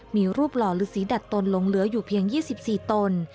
มีรูปหล่อฤษีดัดตนลงเหลืออยู่เพียง๒๔ตน